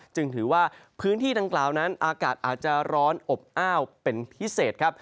จึงถือว่าพื้นที่ดังกล่าวนั้นอากาศอาจจะร้อนอบอ้าวเป็นพิเศษครับ